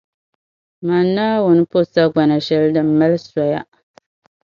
Mani Naawuni po sagbana shɛli din mali soya.